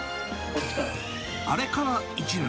あれから１年。